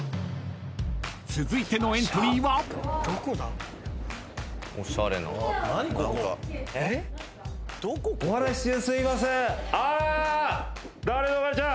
［続いてのエントリーは］あ！